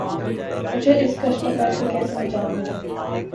مجھے اس کشمکش سے کیسے نجات ملے؟